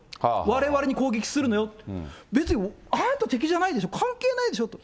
われわれに攻撃するのよと、別にあなた敵じゃないでしょ、関係ないでしょと。